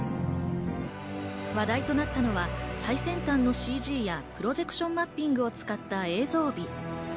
話題となったのは最先端のＣＧやプロジェクションマッピングを使った映像美。